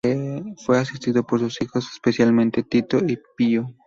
Fue asistido por sus hijos, especialmente Tito y Pio.